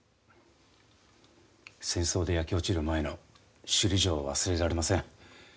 戦争で焼け落ちる前の首里城を忘れられません。